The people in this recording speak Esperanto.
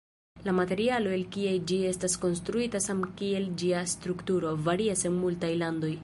La materialoj el kiaj ĝi estas konstruita samkiel ĝia strukturo, varias en multaj landoj.